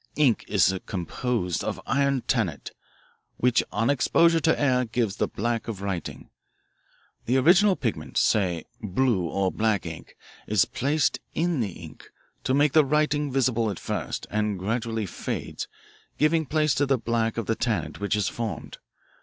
Ink is composed of iron tannate, which on exposure to air gives the black of writing. The original pigment say blue or blue black ink is placed in the ink, to make the writing visible at first, and gradually fades, giving place to the black of the tannate which is formed.